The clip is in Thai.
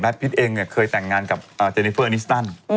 พิษเองเนี่ยเคยแต่งงานกับเจนิเฟอร์นิสตัน